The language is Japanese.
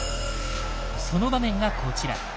その場面がこちら。